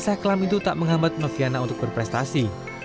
rasa kelam itu tak menghambat noviana untuk berprestasi